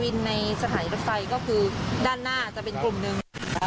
ราคาโหดไปหรือว่ายังไง